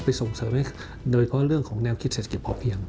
ส่งเสริมให้โดยเฉพาะเรื่องของแนวคิดเศรษฐกิจพอเพียง